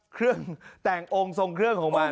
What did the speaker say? เครื่องแต่งองค์ทรงเครื่องของมัน